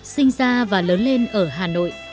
sinh ra và lớn lên ở hà nội